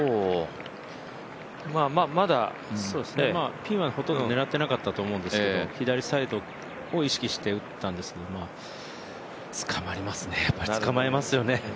ピンはほとんど狙ってなかったと思うんですけど左サイドを意識して打ったんですけど、つかまりますね、やっぱり。